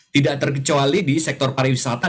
tidak terkecuali di sektor pariwisata